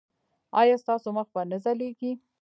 ایا ستاسو مخ به نه ځلیږي؟